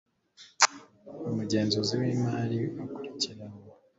umugenzuzi w'imari akurikiranwa